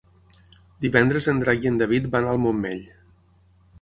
Divendres en Drac i en David van al Montmell.